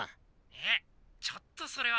・えっちょっとそれは。